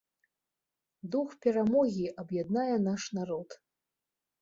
Дух перамогі аб'яднае наш народ!